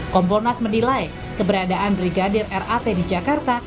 komponas menilai keberadaan brigadir rat di jakarta